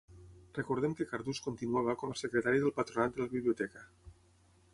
Recordem que Cardús continuava com a secretari del Patronat de la Biblioteca.